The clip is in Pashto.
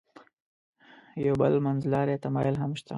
یو بل منځلاری تمایل هم شته.